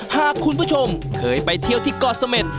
หากคุณผู้ชมเคยไปเที่ยวที่เกาะเสม็ด